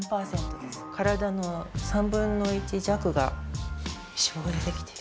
体の３分の１弱が脂肪で出来ている。